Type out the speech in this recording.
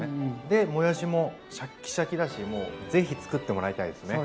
でもやしもシャッキシャキだしもう是非つくってもらいたいですね。